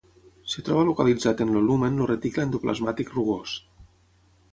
Es troba localitzat en el lumen el reticle endoplàsmic rugós.